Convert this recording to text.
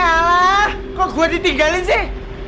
alah kok gua ditinggalin sih